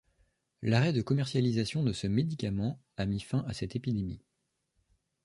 L'arrêt de commercialisation de ce médicament a mis fin à cette épidémie.